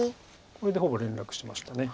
これでほぼ連絡しました。